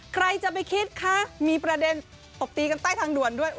ใครจะไปคิดคะมีประเด็นตบตีกันใต้ทางด่วนด้วย